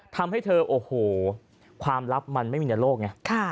ทำให้เธอโอ้โหความลับมันไม่มีในโลกไง